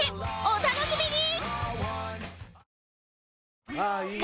お楽しみに！